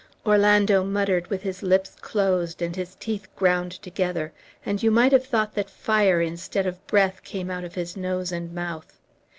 Orlando muttered with his lips closed and his teeth ground together; and you might have thought that fire instead of breath came out of his nose and mouth.